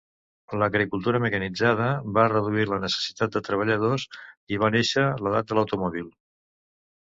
L'agricultura mecanitzada va reduir la necessitat de treballadors i va néixer l'edat de l'automòbil.